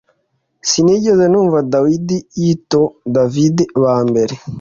Sinigeze numva David yitoDavidba mbere